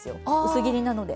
薄切りなので。